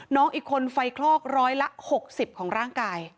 น้องอีกคนไฟคลอกร้อยละ๖๐ของร่างกาย